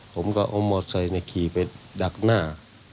ผมก็เอามอเซขี่ไปดักหน้า